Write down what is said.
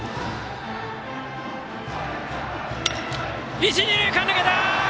一二塁間、抜けた！